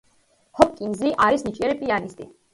ჰოპკინზი არის ნიჭიერი პიანისტი.